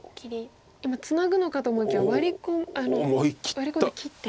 今ツナぐのかと思いきやワリ込んで切って。